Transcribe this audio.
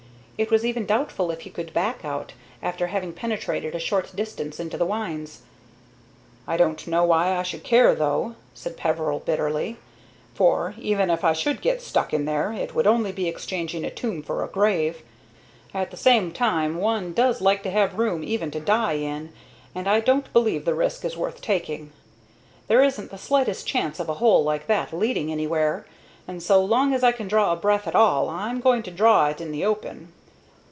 It was even doubtful if he could back out after having penetrated a short distance into the winze. "I don't know why I should care, though," said Peveril, bitterly, "for, even if I should get stuck in there, it would only be exchanging a tomb for a grave. At the same time, one does like to have room even to die in, and I don't believe the risk is worth taking. There isn't the slightest chance of a hole like that leading anywhere, and, so long as I can draw a breath at all, I am going to draw it in the open."